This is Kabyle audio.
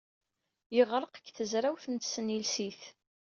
Yeɣreq deg tezrawt n tesnilsit.